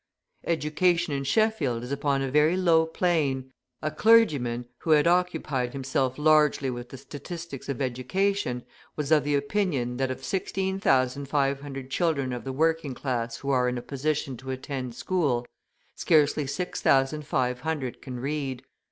Education in Sheffield is upon a very low plane; a clergyman, who had occupied himself largely with the statistics of education, was of the opinion that of 16,500 children of the working class who are in a position to attend school, scarcely 6,500 can read.